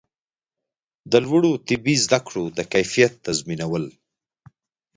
د لوړو طبي زده کړو د کیفیت تضمینول